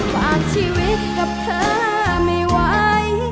ฝากชีวิตกับเธอไม่ไหว